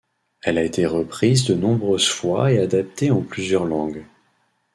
Elle a été reprise de nombreuses fois et adaptée en plusieurs langues.